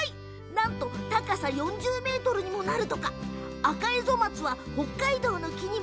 なんと高さ４０ｍにもなるそうですよ。